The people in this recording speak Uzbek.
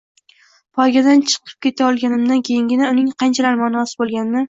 Poygadan chiqib keta olganimdan keyingina uning qanchalar ma’nosiz bo’lganini